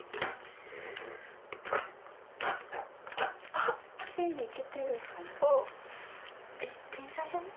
あっきれいにいけてるんじゃない？